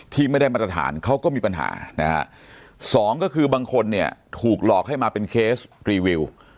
ที่ไม่ได้มาตรฐานเขาก็มีปัญหานะฮะสองก็คือบางคนเนี่ยถูกหลอกให้มาเป็นเคสรีวิว